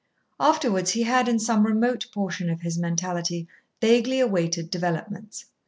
Afterwards he had, in some remote portion of his mentality, vaguely awaited developments.